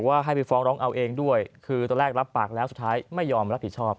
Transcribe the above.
ให้ไปฟ้องร้องเอาเองด้วยคือตอนแรกรับปากแล้วสุดท้ายไม่ยอมรับผิดชอบ